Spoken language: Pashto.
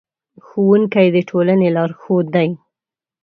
ښوونکي د ټولنې لارښود دي.